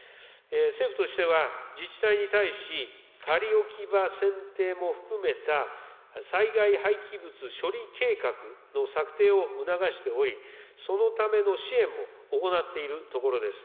政府としては自治体に対し、仮置き場選定も含めた災害廃棄物処理計画の策定を促しており、そのための支援も行っているところです。